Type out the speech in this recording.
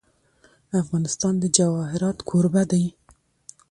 افغانستان د جواهرات کوربه دی.